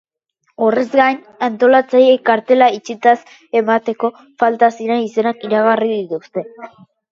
Horrez gain, antolatzaileek kartela itxitzat emateko falta ziren izenak iragarri dituzte.